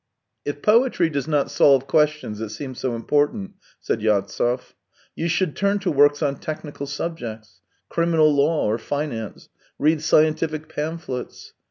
."If poetry does not solve questions that seem so important," said Yartsev, " you should turn to works on technical subjects, criminal law, or finance, read scientific pamphlets.